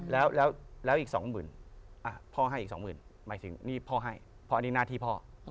แล้วอีกสองหมื่นพ่อให้อีกสองหมื่นหมายถึงนี่พ่อให้เพราะอันนี้หน้าที่พ่อ